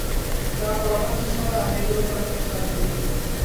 কারণ পারফরম্যান্সের সময় আমি এগুলোকে অনেক চাপ দেই।